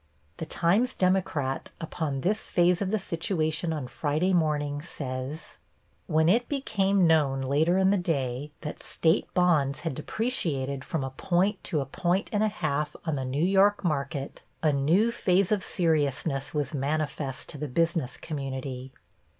The Times Democrat, upon this phase of the situation on Friday morning says: When it became known later in the day that State bonds had depreciated from a point to a point and a half on the New York market a new phase of seriousness was manifest to the business community.